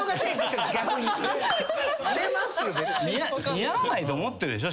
似合わないと思ってるでしょ？